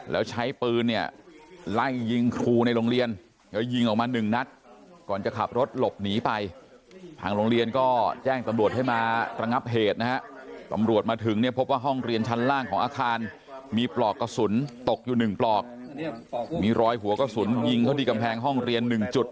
แล้วใช้ปืนไล่ยิงครูในโรงเรียน